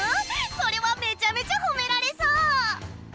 それはめちゃめちゃほめられそう！